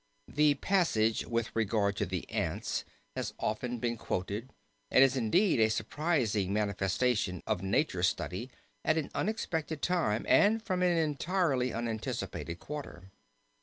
The passage with regard to the ants has often been quoted, and is indeed a surprising manifestation of nature study at an unexpected time and from an entirely unanticipated quarter.